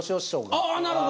ああなるほど。